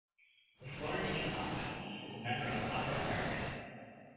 The Florentine Opera Company is a member of Opera America.